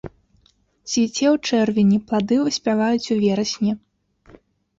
Цвіце ў чэрвені, плады выспяваюць у верасні.